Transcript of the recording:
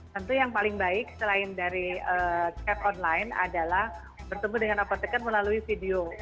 tentu yang paling baik selain dari cap online adalah bertemu dengan apotekar melalui video